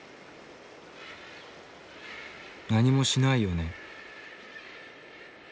「何もしないよね」。